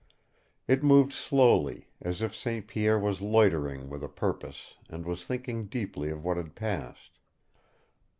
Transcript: It moved slowly, as if St. Pierre was loitering with a purpose and was thinking deeply of what had passed.